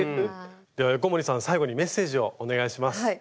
では横森さん最後にメッセージをお願いします。